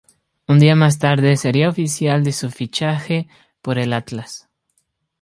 Un día más tarde se haría oficial su fichaje por el Atlas.